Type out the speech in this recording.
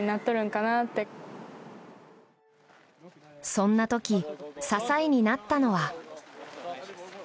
そんな時支えになったのは。